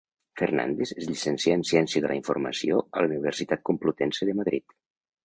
Fernández es llicencià en Ciència de la Informació a la Universitat Complutense de Madrid.